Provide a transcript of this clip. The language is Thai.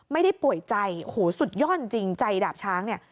ไม่ได้ป่วยใจสุดยอดจริงใจดาบช้าง